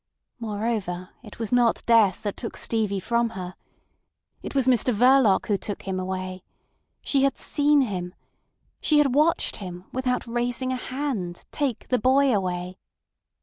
Moreover, it was not death that took Stevie from her. It was Mr Verloc who took him away. She had seen him. She had watched him, without raising a hand, take the boy away.